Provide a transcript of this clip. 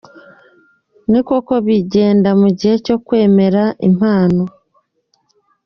Ni nako bigenda mu gihe cyo kwemera impano.